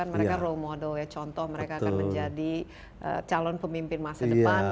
mereka role model ya contoh mereka akan menjadi calon pemimpin masa depan